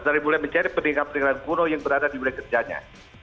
dan mulai mencari peningkatan kurno yang berada di mulai kerjanya